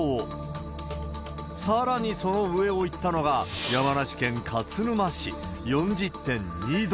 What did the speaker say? さらにその上をいったのが、山梨県勝沼市、４０．２度。